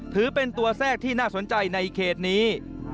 ถือเป็นตัวแทรกที่น่าสนใจในเขตนี้